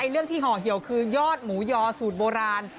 เรื่องที่ห่อเหี่ยวคือยอดหมูยอสูตรโบราณ